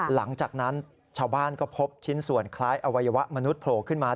หลังจากนั้นชาวบ้านก็พบชิ้นส่วนคล้ายอวัยวะมนุษยโผล่ขึ้นมา